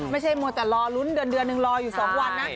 ไม่ใช่มัวแต่รอลุ้นเดือนหนึ่งรออยู่๒วันนะ